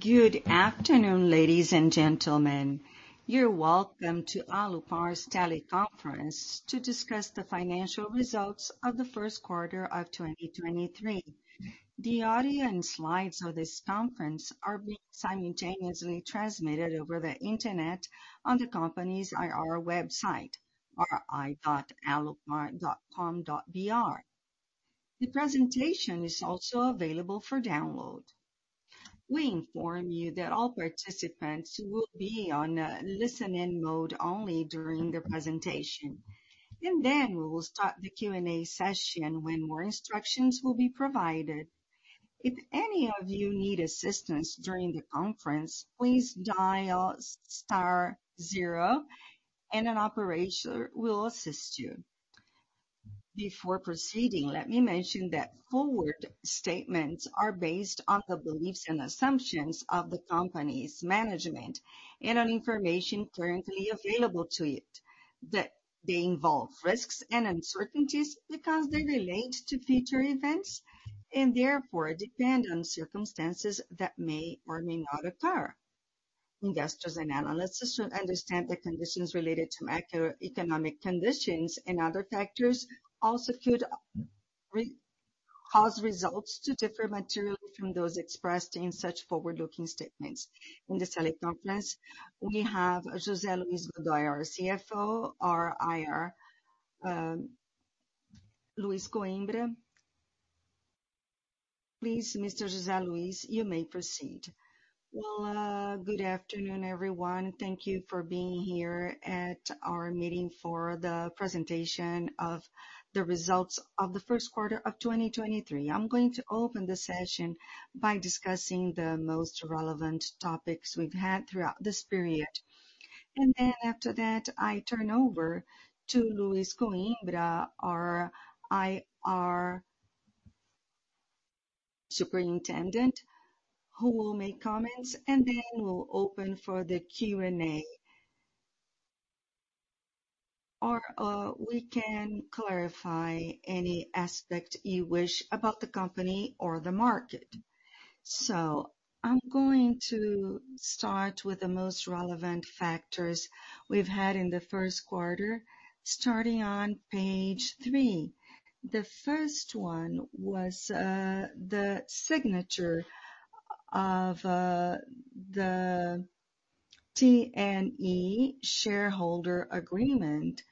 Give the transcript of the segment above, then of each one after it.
Good afternoon, ladies and gentlemen. You're welcome to Alupar's teleconference to discuss the Financial Results of the First Quarter of 2023. The audio and slides of this conference are being simultaneously transmitted over the Internet on the company's IR website, ri.alupar.com.br. The presentation is also available for download. We inform you that all participants will be on listen-in mode only during the presentation, then we will start the Q&A session when more instructions will be provided. If any of you need assistance during the conference, please dial star zero and an operator will assist you. Before proceeding, let me mention that forward statements are based on the beliefs and assumptions of the company's management and on information currently available to it. They involve risks and uncertainties because they relate to future events and therefore depend on circumstances that may or may not occur. Investors and analysts should understand the conditions related to macroeconomic conditions and other factors also could cause results to differ materially from those expressed in such forward-looking statements. In this teleconference we have José Luiz de Godoy, our CFO, our IR, Luiz Coimbra. Please, Mr. José Luiz, you may proceed. Well, good afternoon, everyone. Thank you for being here at our meeting for the presentation of the results of the first quarter of 2023. I'm going to open the session by discussing the most relevant topics we've had throughout this period. Then after that, I turn over to Luiz Coimbra, our IR superintendent, who will make comments, and then we'll open for the Q&A. We can clarify any aspect you wish about the company or the market. I'm going to start with the most relevant factors we've had in the first quarter, starting on page 3. The first one was the signature of the TNE shareholder agreement.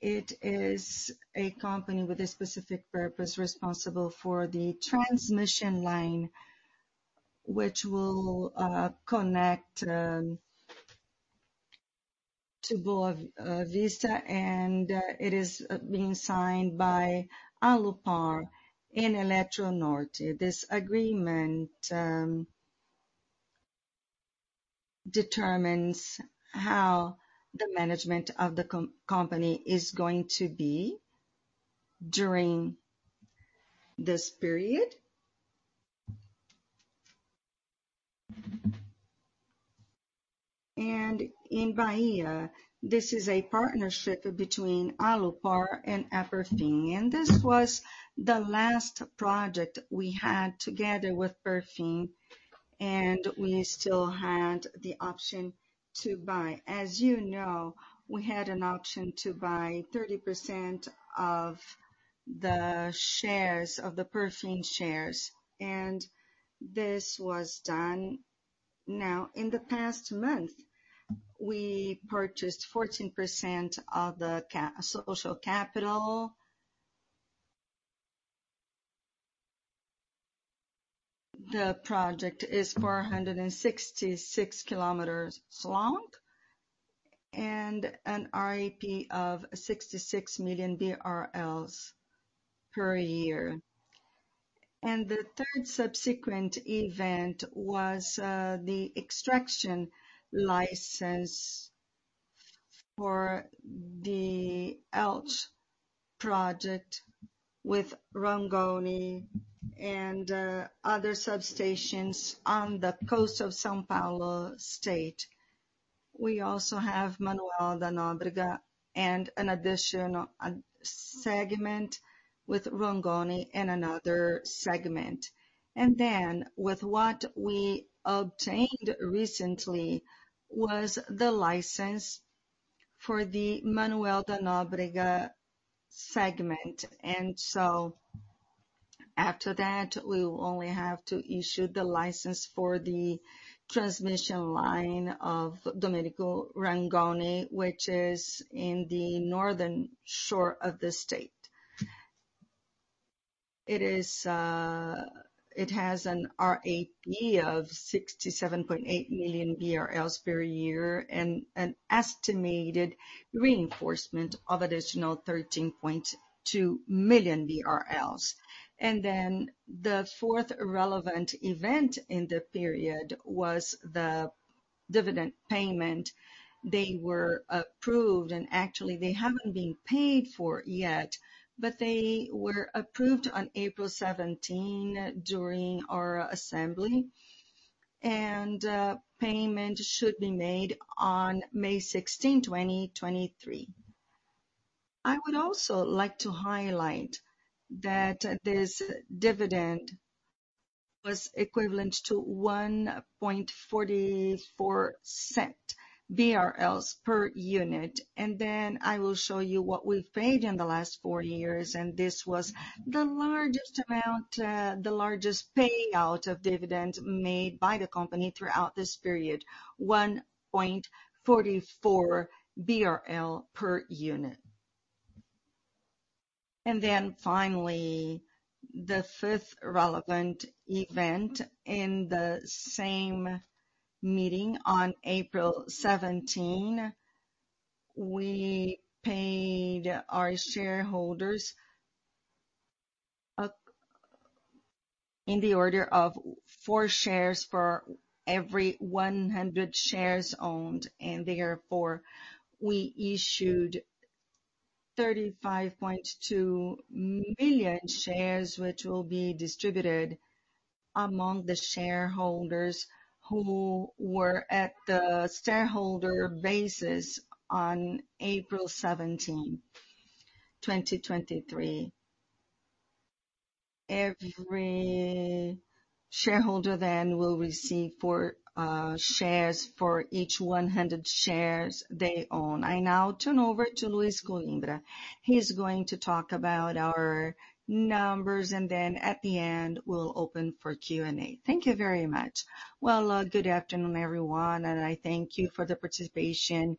It is a company with a specific purpose responsible for the transmission line, which will connect to Boa Vista, it is being signed by Alupar and Eletronorte. This agreement determines how the management of the company is going to be during this period. In Bahia, this is a partnership between Alupar and APAETE. This was the last project we had together with APAETE, and we still had the option to buy. As you know, we had an option to buy 30% of the APAETE shares, and this was done now. In the past month, we purchased 14% of the social capital. The project is 466 km long and an RAP of 66 million BRL per year. The third subsequent event was the extraction license for the Alt project with Rongoni and other substations on the coast of São Paulo state. We also have Manoel da Nóbrega and an additional segment with Rongoni and another segment. With what we obtained recently was the license for the Manoel da Nóbrega segment. After that, we will only have to issue the license for the transmission line of Domenico Rangoni, which is in the northern shore of the state. It is, it has an RAP of 67.8 million BRL per year and an estimated reinforcement of additional 13.2 million BRL. The fourth relevant event in the period was the dividend payment. They were approved, actually they haven't been paid for yet, they were approved on April 17 during our assembly. Payment should be made on May 16, 2023. I would also like to highlight that this dividend was equivalent to 1.44 BRL per unit. I will show you what we've paid in the last 4 years, this was the largest amount, the largest payout of dividend made by the company throughout this period, 1.44 BRL per unit. Finally, the fifth relevant event in the same meeting on April 17, we paid our shareholders in the order of 4 shares for every 100 shares owned, therefore we issued 35.2 million shares, which will be distributed among the shareholders who were at the shareholder basis on April 17, 2023. Every shareholder will receive 4 shares for each 100 shares they own. I now turn over to Luiz Coimbra. He's going to talk about our numbers. At the end, we'll open for Q&A. Thank you very much. Good afternoon, everyone. I thank you for the participation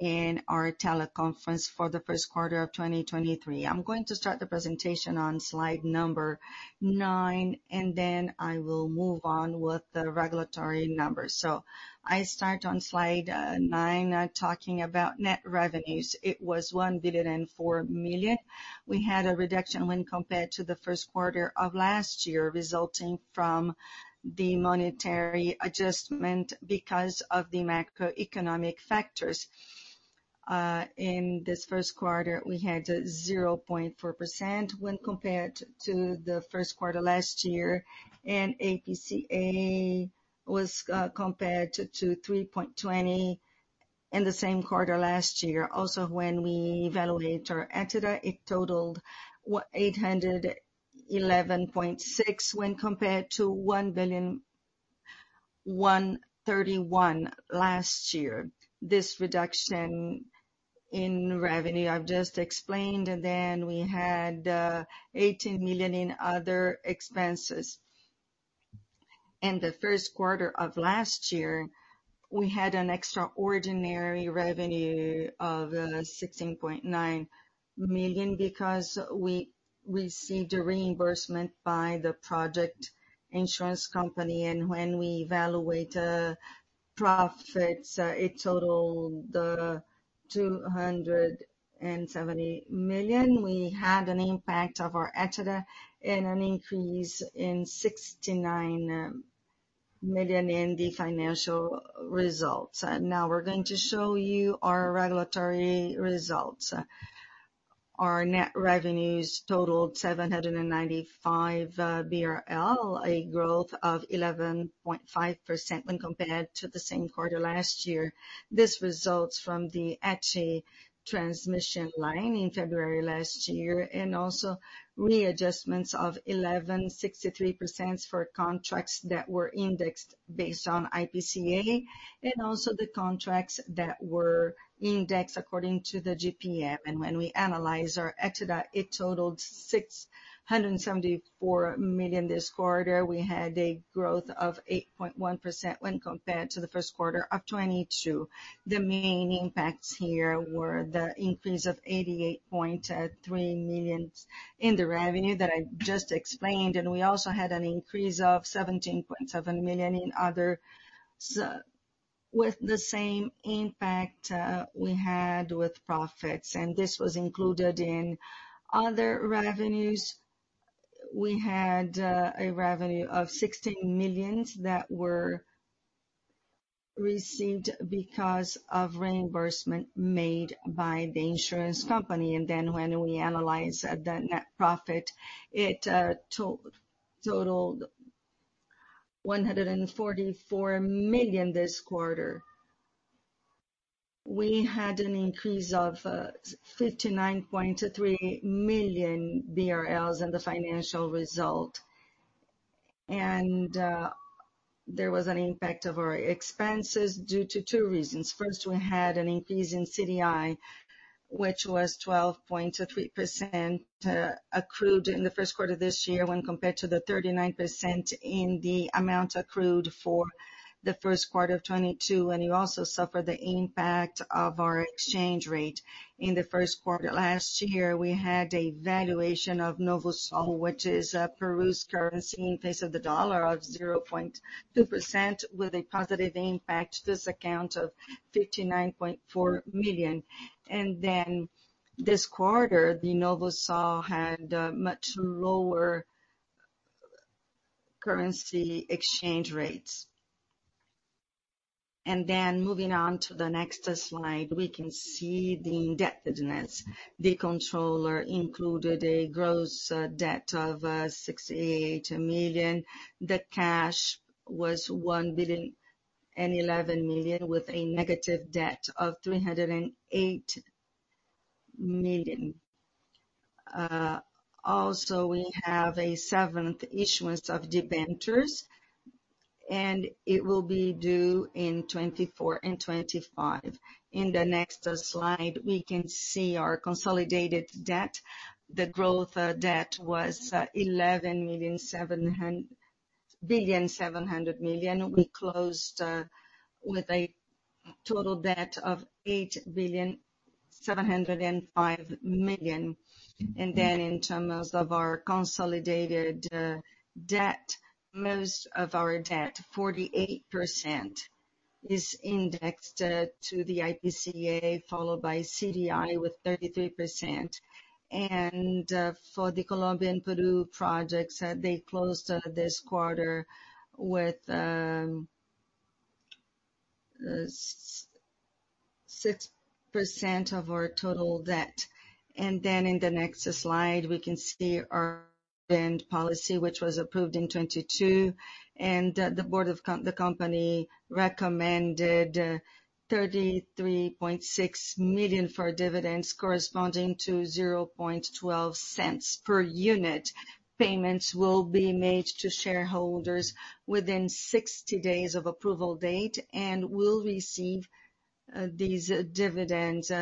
in our teleconference for the first quarter of 2023. I'm going to start the presentation on slide number 9. I will move on with the regulatory numbers. I start on slide 9 talking about net revenues. It was 1.004 billion. We had a reduction when compared to the first quarter of last year, resulting from the monetary adjustment because of the macroeconomic factors. In this first quarter, we had 0.4% when compared to the first quarter last year. IPCA was compared to 3.20% in the same quarter last year. When we evaluate our EBITDA, it totaled 811.6 million when compared to 1.131 billion last year. This reduction in revenue I've just explained. We had 18 million in other expenses. In the first quarter of last year, we had an extraordinary revenue of 16.9 million because we received a reimbursement by the project insurance company. When we evaluate profits, it totaled 270 million. We had an impact of our EBITDA and an increase in 69 million in the financial results. Now we're going to show you our regulatory results. Our net revenues totaled 795 BRL, a growth of 11.5% when compared to the same quarter last year. This results from the ECTE transmission line in February last year and also readjustments of 11.63% for contracts that were indexed based on IPCA and also the contracts that were indexed according to the IGP-M. When we analyze our EBITDA, it totaled 674 million this quarter. We had a growth of 8.1% when compared to the first quarter of 2022. The main impacts here were the increase of 88.3 million in the revenue that I just explained. We also had an increase of 17.7 million in other With the same impact we had with profits, and this was included in other revenues. We had a revenue of 16 million that were received because of reimbursement made by the insurance company. When we analyzed the net profit, it totaled 144 million this quarter. We had an increase of 59.3 million BRL in the financial result. There was an impact of our expenses due to two reasons. First, we had an increase in CDI, which was 12.3% accrued in the first quarter this year when compared to the 39% in the amount accrued for the first quarter of 2022. You also suffer the impact of our exchange rate. In the first quarter last year, we had a valuation of Novo Sol, which is Peru's currency in place of the dollar of 0.2% with a positive impact. This account of 59.4 million. This quarter, the Novo Sol had a much lower currency exchange rates. Moving on to the next slide, we can see the indebtedness. The controller included a gross debt of 68 million. The cash was 1.011 billion with a negative debt of 308 million. Also we have a seventh issuance of debentures. It will be due in 2024 and 2025. In the next slide, we can see our consolidated debt. The gross debt was 11.7 billion. We closed with a total debt of 8.705 billion. In terms of our consolidated debt, most of our debt, 48% is indexed to the IPCA, followed by CDI with 33%. For the Colombia and Peru projects, they closed this quarter with 6% of our total debt. In the next slide, we can see our dividend policy, which was approved in 2022. The board of the company recommended 33.6 million for dividends corresponding to 0.12 per unit. Payments will be made to shareholders within 60 days of approval date and will receive these dividends,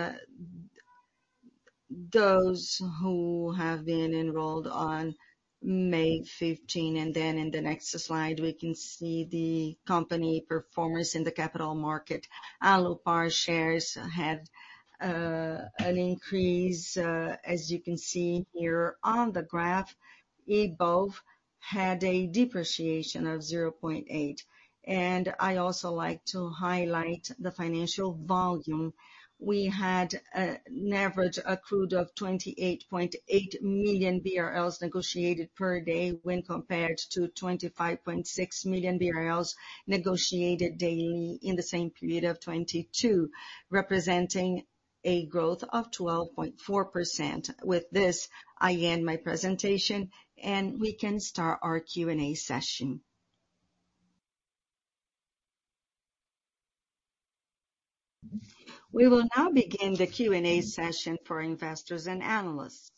those who have been enrolled on May 15. In the next slide, we can see the company performance in the capital market. Alupar shares had an increase, as you can see here on the graph. IBOV had a depreciation of 0.8%. I also like to highlight the financial volume. We had an average accrued of 28.8 million BRL negotiated per day when compared to 25.6 million BRL negotiated daily in the same period of 2022, representing a growth of 12.4%. With this, I end my presentation, and we can start our Q&A session. We will now begin the Q&A session for investors and analysts.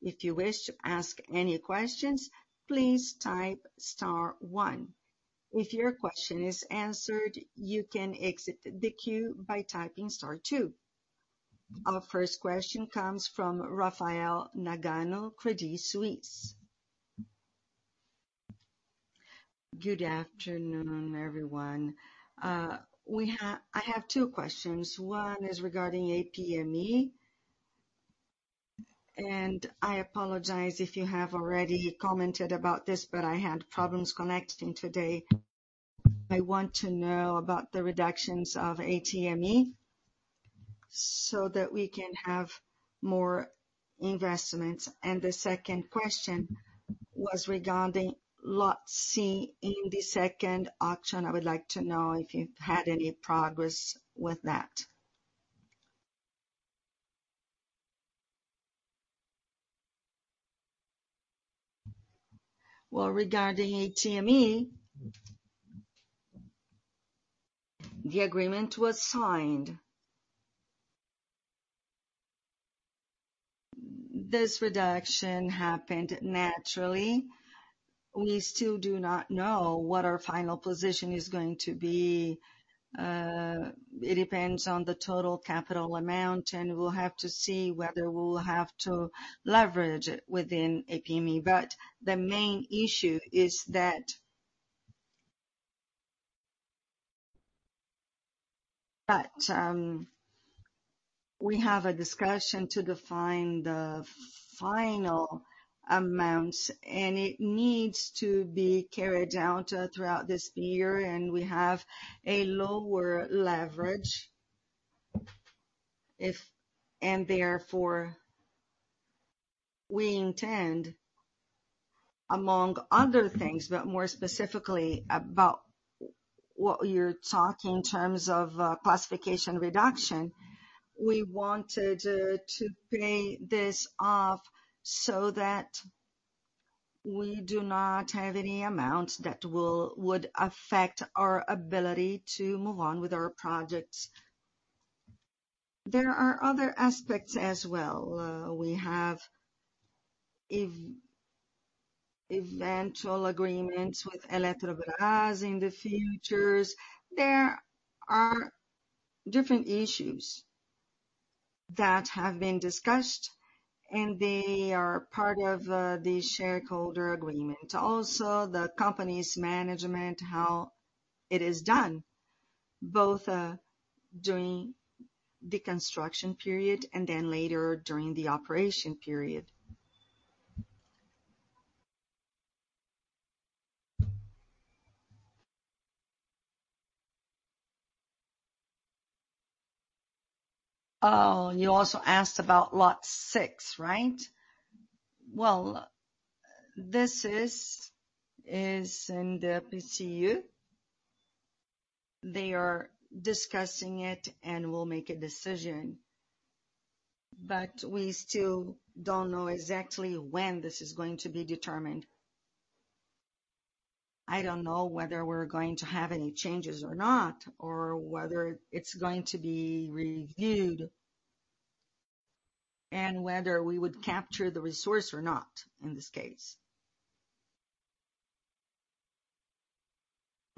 If you wish to ask any questions, please type star one. If your question is answered, you can exit the queue by typing star two. Our first question comes from Rafael Nagano, Credit Suisse. Good afternoon, everyone. I have two questions. One is regarding TME. And I apologize if you have already commented about this, but I had problems connecting today. I want to know about the reductions of TME so that we can have more investments. The second question was regarding lot C in the second auction. I would like to know if you've had any progress with that. Regarding ATME, the agreement was signed. This reduction happened naturally. We still do not know what our final position is going to be. It depends on the total capital amount, and we'll have to see whether we'll have to leverage it within APME. The main issue is that... We have a discussion to define the final amount, and it needs to be carried out throughout this year, and therefore we intend, among other things, but more specifically about what you're talking in terms of classification reduction, we wanted to pay this off so that we do not have any amount that would affect our ability to move on with our projects. There are other aspects as well. We have eventual agreements with Eletrobras in the futures. There are different issues that have been discussed, and they are part of the shareholder agreement. Also, the company's management, how it is done, both during the construction period and then later during the operation period. You also asked about lot 6, right? Well, this is in the PCU. They are discussing it and will make a decision. We still don't know exactly when this is going to be determined. I don't know whether we're going to have any changes or not, or whether it's going to be reviewed, and whether we would capture the resource or not in this case.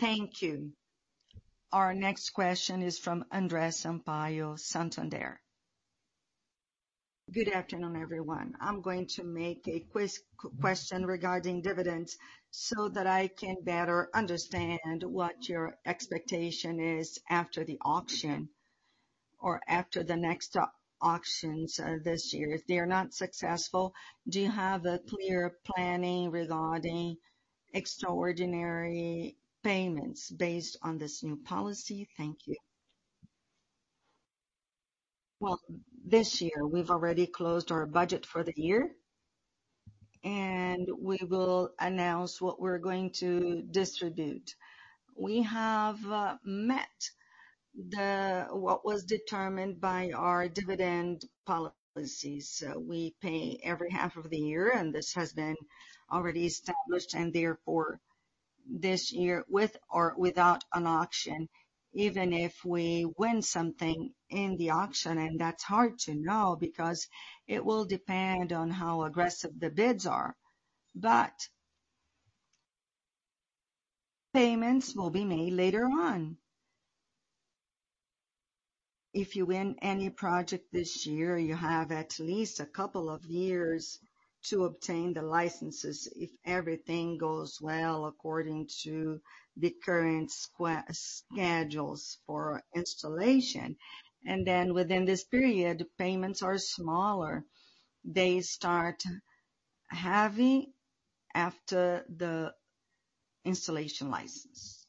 Thank you. Our next question is from André Sampaio, Santander. Good afternoon, everyone. I'm going to make a quick question regarding dividends so that I can better understand what your expectation is after the auction or after the next auctions this year. If they are not successful, do you have a clear planning regarding extraordinary payments based on this new policy? Thank you. Well, this year, we've already closed our budget for the year, and we will announce what we're going to distribute. We have met what was determined by our dividend policies. We pay every half of the year, this has been already established, this year, with or without an auction, even if we win something in the auction, that's hard to know because it will depend on how aggressive the bids are. Payments will be made later on. If you win any project this year, you have at least a couple of years to obtain the licenses if everything goes well according to the current schedules for installation. Within this period, payments are smaller. They start heavy after the installation license.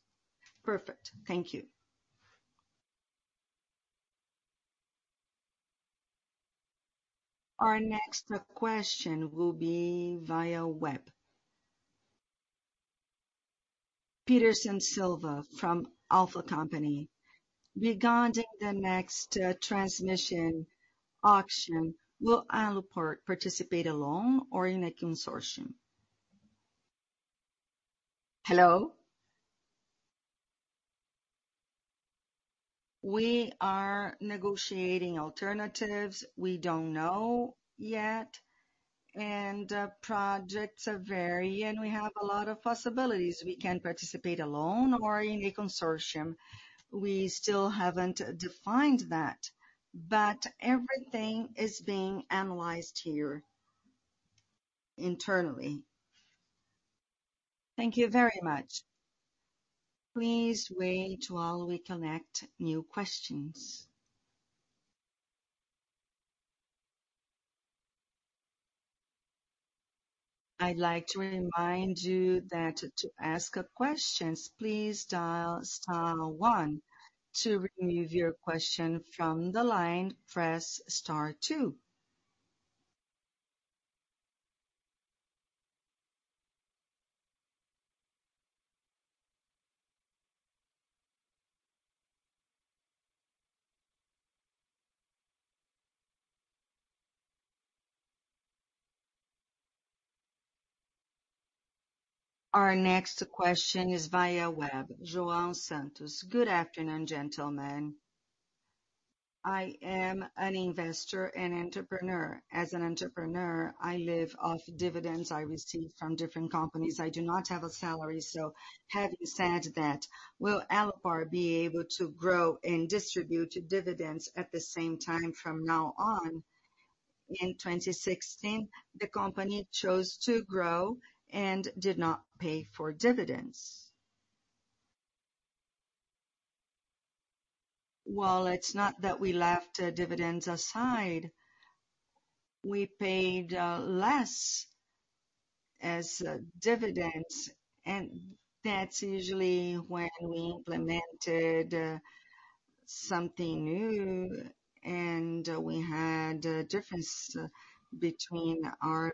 Perfect. Thank you. Our next question will be via web. Peterson Silva from Alpha Company. Regarding the next transmission auction, will Alupar participate alone or in a consortium? Hello? We are negotiating alternatives. We don't know yet. Projects vary, we have a lot of possibilities. We can participate alone or in a consortium. We still haven't defined that. Everything is being analyzed here internally. Thank you very much. Please wait while we collect new questions. I'd like to remind you that to ask questions, please dial star 1. To remove your question from the line, press star 2. Our next question is via web. João Santos. Good afternoon, gentlemen. I am an investor and entrepreneur. As an entrepreneur, I live off dividends I receive from different companies. I do not have a salary. Having said that, will Alupar be able to grow and distribute dividends at the same time from now on? In 2016, the company chose to grow and did not pay for dividends. Well, it's not that we left the dividends aside. We paid less as dividends, that's usually when we implemented something new and we had a difference between our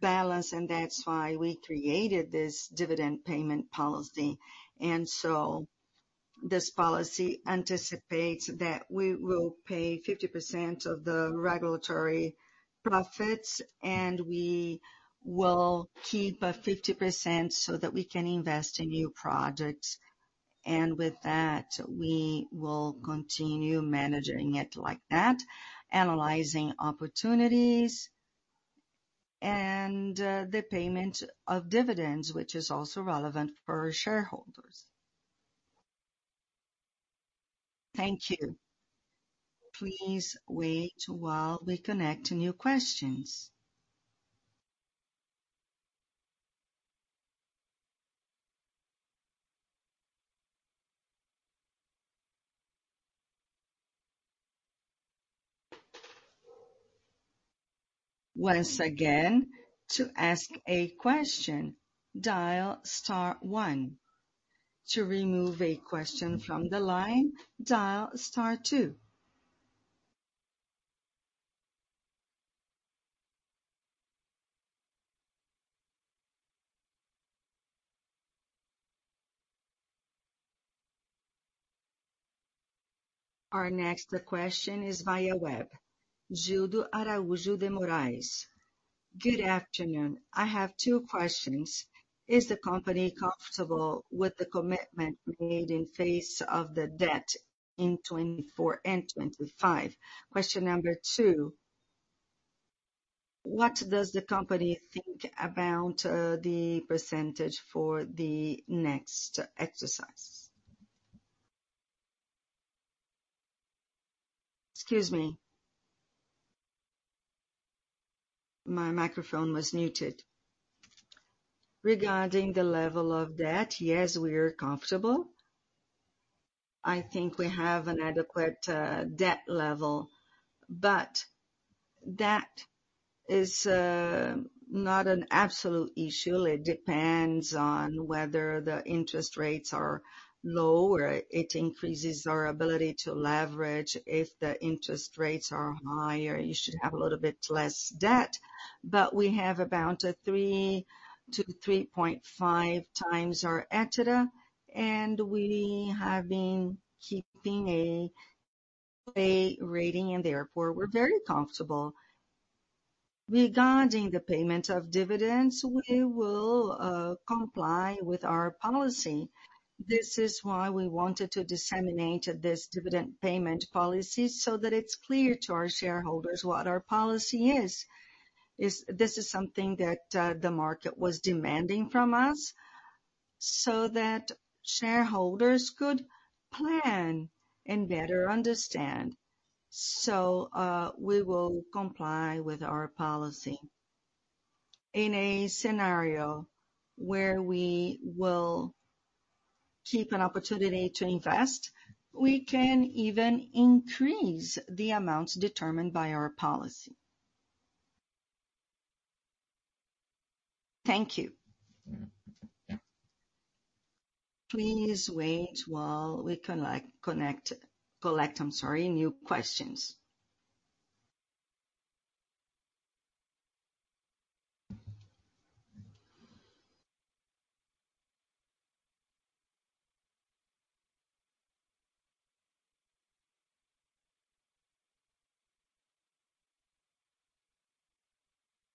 balance, that's why we created this dividend payment policy. This policy anticipates that we will pay 50% of the regulatory profits, we will keep a 50% so that we can invest in new projects. With that, we will continue managing it like that, analyzing opportunities and the payment of dividends, which is also relevant for shareholders. Thank you. Please wait while we connect new questions. Once again, to ask a question, dial star one. To remove a question from the line, dial star two. Our next question is via web. Júlio Araujo de Morais. Good afternoon. I have 2 questions. Is the company comfortable with the commitment made in face of the debt in 2024 and 2025? Question number 2, what does the company think about the % for the next exercise? Excuse me. My microphone was muted. Regarding the level of debt, yes, we are comfortable. I think we have an adequate debt level, but that is not an absolute issue. It depends on whether the interest rates are low or it increases our ability to leverage. If the interest rates are higher, you should have a little bit less debt. We have about a 3 to 3.5 times our EBITDA, and we have been keeping a rating, and therefore, we're very comfortable. Regarding the payment of dividends, we will comply with our policy. This is why we wanted to disseminate this dividend payment policy so that it's clear to our shareholders what our policy is. This is something that the market was demanding from us so that shareholders could plan and better understand. We will comply with our policy. In a scenario where we will keep an opportunity to invest, we can even increase the amounts determined by our policy. Thank you. Please wait while we collect, I'm sorry, new questions.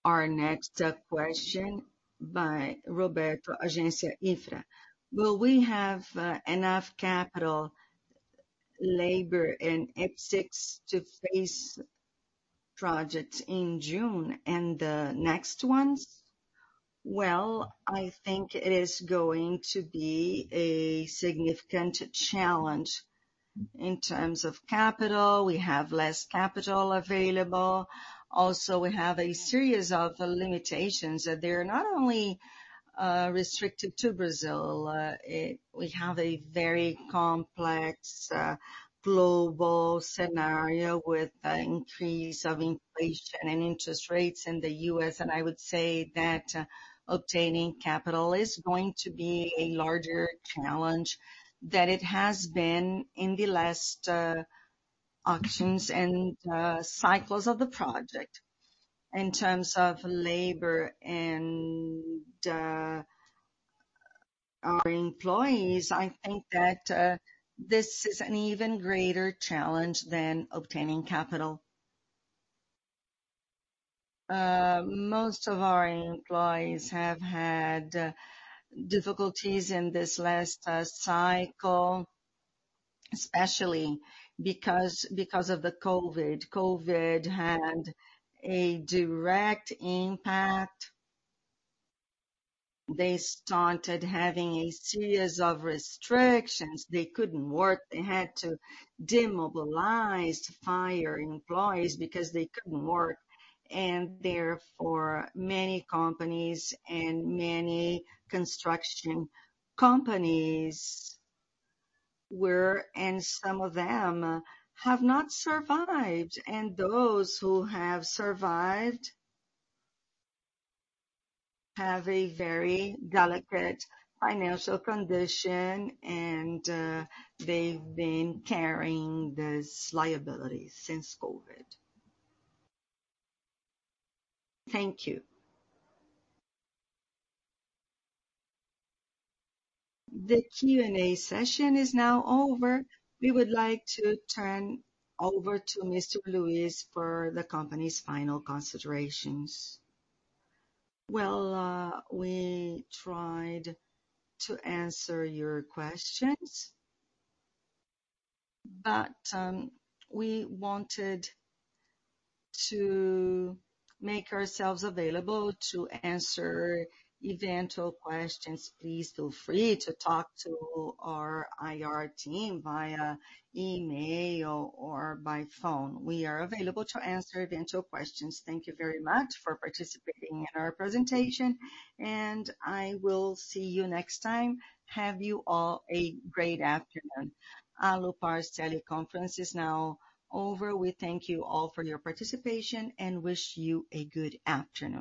Our next question by Roberto, Agência iNFRA. Will we have enough capital, labor, and EPC to face projects in June and the next ones? Well, I think it is going to be a significant challenge. In terms of capital, we have less capital available. Also, we have a series of limitations that they're not only restricted to Brazil. We have a very complex global scenario with the increase of inflation and interest rates in the U.S. I would say that obtaining capital is going to be a larger challenge than it has been in the last auctions and cycles of the project. In terms of labor and our employees, I think that this is an even greater challenge than obtaining capital. Most of our employees have had difficulties in this last cycle, especially because of the COVID. COVID had a direct impact. They started having a series of restrictions. They couldn't work. They had to demobilize, fire employees because they couldn't work. Therefore, many companies and many construction companies were-- and some of them have not survived. Those who have survived have a very delicate financial condition, and they've been carrying these liabilities since COVID. Thank you. The Q&A session is now over. We would like to turn over to Mr. Luiz for the company's final considerations. Well, we tried to answer your questions, we wanted to make ourselves available to answer eventual questions. Please feel free to talk to our IR team via email or by phone. We are available to answer eventual questions. Thank you very much for participating in our presentation, I will see you next time. Have you all a great afternoon. Alupar's teleconference is now over. We thank you all for your participation and wish you a good afternoon.